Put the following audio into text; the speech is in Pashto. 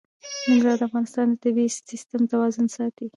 ننګرهار د افغانستان د طبعي سیسټم توازن ساتي.